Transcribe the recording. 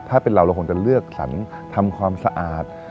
ถ้าเป็นเราเราคงจะเลือกสรรทำความสะอาด